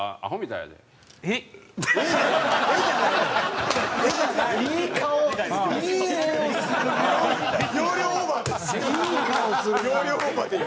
いい顔するな。